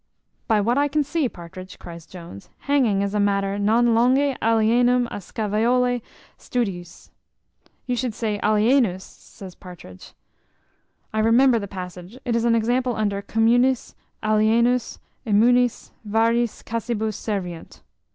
"By what I can see, Partridge," cries Jones, "hanging is a matter non longe alienum a Scaevolae studiis." "You should say alienus," says Partridge, "I remember the passage; it is an example under communis, alienus, immunis, variis casibus serviunt."